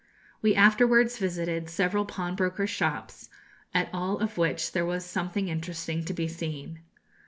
We afterwards visited several pawnbrokers' shops, at all of which there was something interesting to be seen.